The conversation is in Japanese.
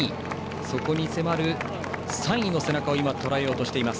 そこに迫る３位の背中をとらえようとしています。